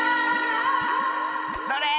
それ！